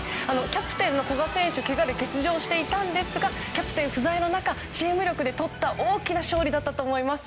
キャプテンの古賀選手けがで欠場していたんですがキャプテン不在の中チーム力でとった大きな勝利だったと思います。